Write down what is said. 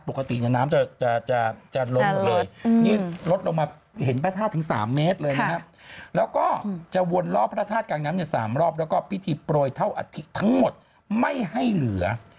ปกติน้ำจะลดครึ่งเลย